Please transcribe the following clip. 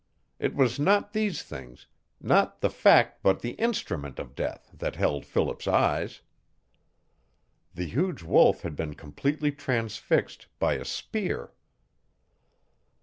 It was not these things not the fact but the INSTRUMENT of death that held Philip's eyes. The huge wolf had been completely transfixed by a spear.